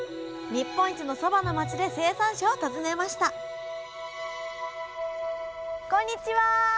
日本一のそばの町で生産者を訪ねましたこんにちは。